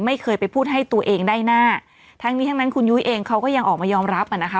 ไม่เคยไปพูดให้ตัวเองได้หน้าทั้งนี้ทั้งนั้นคุณยุ้ยเองเขาก็ยังออกมายอมรับอ่ะนะคะ